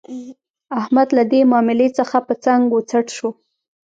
احمد له دې ماملې څخه په څنګ و څټ شو.